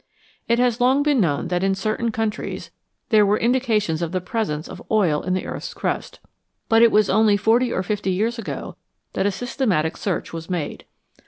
It has long been known that in certain countries there were indications of the presence of oil in the earth's crust, but it was only forty or fifty years ago that a systematic search was made.